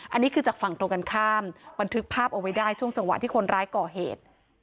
อันนี้คือจากฝั่งตรงกันข้ามบันทึกภาพเอาไว้ได้ช่วงจังหวะที่คนร้ายก่อเหตุ